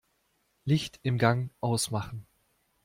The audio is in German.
Licht im Gang ausmachen.